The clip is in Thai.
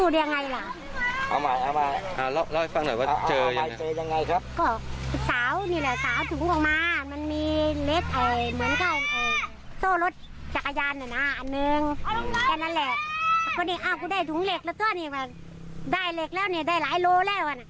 ได้เหล็กแล้วได้หลายโลแล้ว